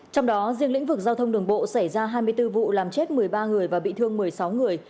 trong đó riêng lĩnh vực giao thông đường bộ xảy ra hai mươi bốn vụ làm chết một mươi ba người và bị thương một mươi sáu người